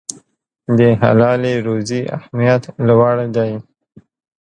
د حلالې روزي اهمیت لوړ دی.